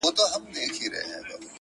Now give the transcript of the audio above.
خوشحال په دې يم چي ذهين نه سمه’